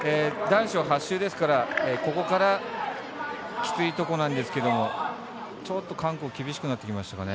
男子は８周ですからここからきついところなんですけどちょっと韓国厳しくなってきました。